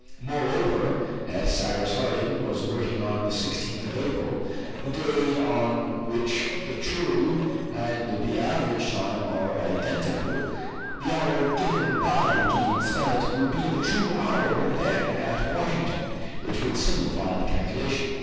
Moreover, as Cyrus Harding was working on the 16th of April, the day on which the true and the average time are identical, the hour given by Gideon Spilett would be the true hour then at Washington, which would simplify the calculation.